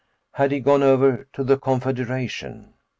Had he gone over to the Confederation?